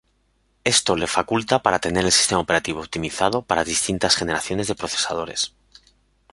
Esto les faculta para tener el sistema operativo optimizado para distintas generaciones de procesadores.